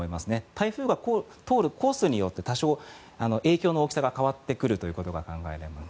台風が通るコースによって多少、影響の大きさが変わってくるということが考えられます。